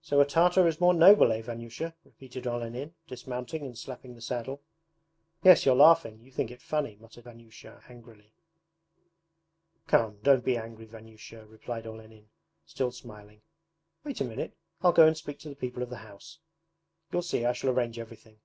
'So a Tartar is more noble, eh, Vanyusha?' repeated Olenin, dismounting and slapping the saddle. 'Yes, you're laughing! You think it funny,' muttered Vanyusha angrily. 'Come, don't be angry, Vanyusha,' replied Olenin, still smiling. 'Wait a minute, I'll go and speak to the people of the house; you'll see I shall arrange everything.